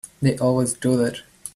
They always do that.